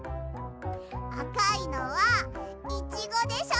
あかいのはイチゴでしょ。